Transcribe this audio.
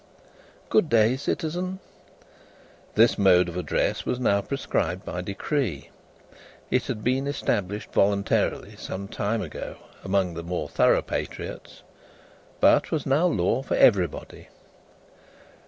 "Good day, citizen." This mode of address was now prescribed by decree. It had been established voluntarily some time ago, among the more thorough patriots; but, was now law for everybody.